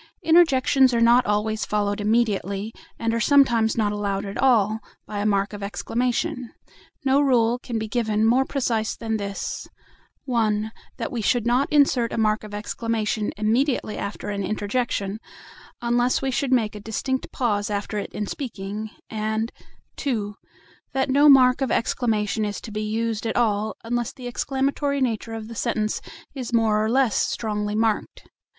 Interjections are not always followed immediately, and are sometimes not allowed at all, by a mark of exclamation. No rule can be given more precise than this: (1) That we should not insert a mark of exclamation immediately after an interjection, unless we should make a distinct pause after it in speaking; and (2) that no mark of exclamation is to be used at all, unless the exclamatory nature of the sentence is more or less strongly marked.